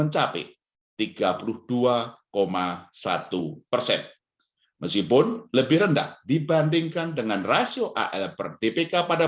mencapai tiga puluh dua satu persen meskipun lebih rendah dibandingkan dengan rasio al per dpk pada